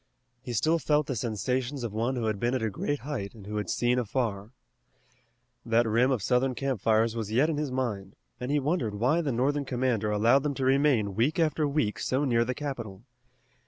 He still felt the sensations of one who had been at a great height and who had seen afar. That rim of Southern campfires was yet in his mind, and he wondered why the Northern commander allowed them to remain week after week so near the capital.